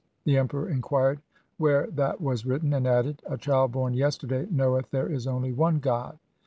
The Emperor inquired where that was written, and added, ' A child born yesterday knoweth there is only one God.'